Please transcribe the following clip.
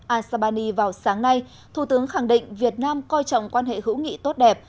al sabani vào sáng nay thủ tướng khẳng định việt nam coi trọng quan hệ hữu nghị tốt đẹp